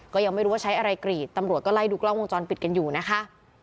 ก็ยังไม่รู้ว่าใช้อะไรกรีดตำรวจก็ไล่ดูกล้องวงจรปิดกันอยู่นะคะ